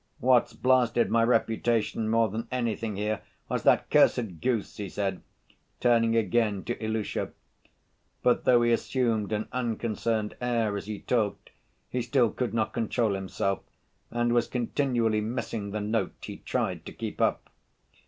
"What's blasted my reputation more than anything here was that cursed goose," he said, turning again to Ilusha. But though he assumed an unconcerned air as he talked, he still could not control himself and was continually missing the note he tried to keep up.